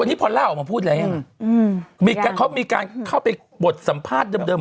วันนี้พอนร่าออกมาพูดอะไรเลยเค้ามีการเข้าไปปวดสัมภาษณ์เดิม